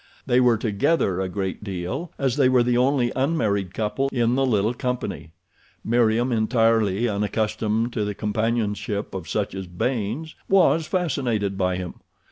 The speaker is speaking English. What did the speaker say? They were together a great deal as they were the only unmarried couple in the little company. Meriem, entirely unaccustomed to the companionship of such as Baynes, was fascinated by him.